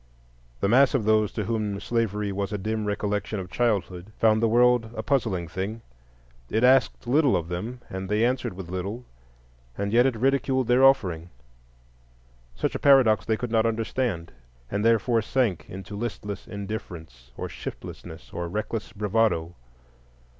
The mass of those to whom slavery was a dim recollection of childhood found the world a puzzling thing: it asked little of them, and they answered with little, and yet it ridiculed their offering. Such a paradox they could not understand, and therefore sank into listless indifference, or shiftlessness, or reckless bravado.